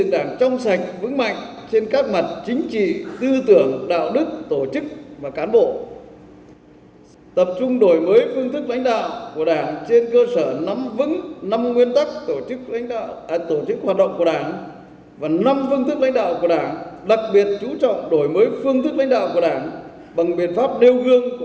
đặc biệt chú trọng đổi mới phương thức bánh đạo của đảng bằng biện pháp đeo gương của cán bộ đảng viên trước kết là người đứng đầu